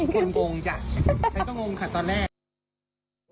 คนงงจ้ะฉันก็งงค่ะตอนแรก